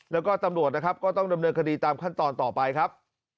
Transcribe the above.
แล้วก็ตำรวจนะครับก็ต้องดำเนินคดีตามขั้นตอนต่อไปครับ